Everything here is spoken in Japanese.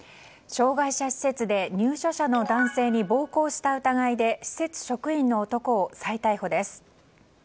障害者施設で入所者の男性に暴行した疑いで施設職員の男を再逮捕です。